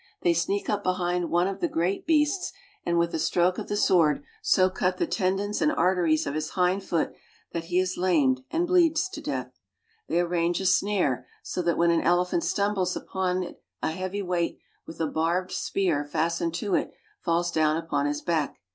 They sneak up behind one of the I great beasts, and with a stroke of the sword so cut the tendons and arteries of his hind foot that he is lamed iand bleeds to death. They arrange a snare, so that when an elephant stumbles upon it a heavy weight with a barbed spear fastened to it falls down upon his back.